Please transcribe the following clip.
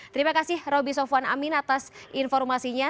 terima kasih roby sofwan amin atas informasinya